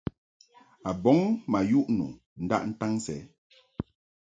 A bɔŋ ma yuʼ nu ndaʼ ntaŋ sɛ.